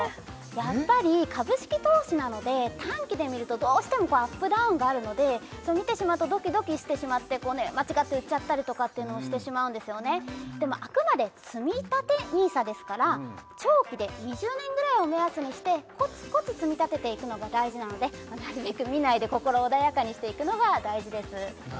やっぱり株式投資なので短期で見るとどうしてもアップダウンがあるので見てしまうとドキドキしてしまってこうね間違って売っちゃったりとかっていうのをしてしまうんですよねでもあくまでつみたてＮＩＳＡですから長期で２０年ぐらいを目安にしてコツコツ積み立てていくのが大事なのでなるべく見ないで心穏やかにしていくのが大事です